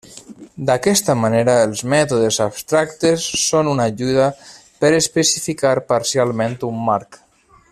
D'aquesta manera, els mètodes abstractes són una ajuda per especificar parcialment un marc.